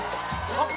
あっ！